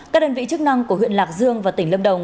các đơn vị chức năng của huyện lạc dương và tỉnh lâm đồng